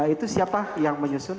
itu siapa yang menyusun